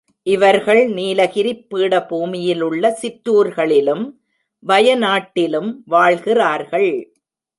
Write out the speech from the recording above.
இவர்கள் நீலகிரிப் பீடபூமியிலுள்ள சிற்றூர்களிலும், வய நாட்டிலும் வாழ்கிறார்கள்.